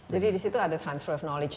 jadi di situ ada transfer of knowledge ya